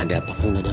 ada yang cemburu doi